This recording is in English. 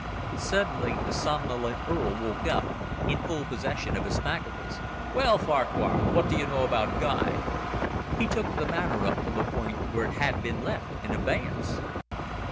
Suddenly the somnolent Earl woke up, in full possession of his faculties. "Well, Farquhar, what do you know about Guy?" He took the matter up from the point where it had been left in abeyance.